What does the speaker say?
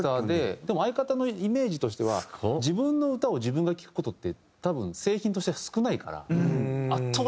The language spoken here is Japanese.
でも相方のイメージとしては自分の歌を自分が聴く事って多分製品として少ないから。